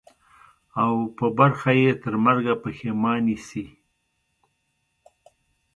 او په برخه یې ترمرګه پښېماني سي.